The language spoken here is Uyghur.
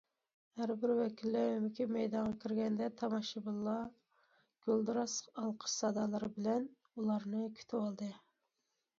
ھەر بىر ۋەكىللەر ئۆمىكى مەيدانغا كىرگەندە، تاماشىبىنلار گۈلدۈراس ئالقىش سادالىرى بىلەن ئۇلارنى كۈتۈۋالدى.